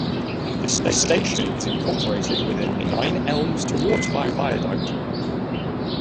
The station is incorporated within the Nine Elms to Waterloo Viaduct.